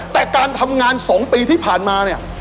แต่การทำงาน๒ปีที่ผ่านมาเนี่ย